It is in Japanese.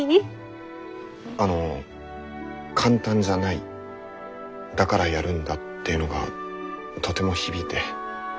あの簡単じゃないだからやるんだっていうのがとても響いて。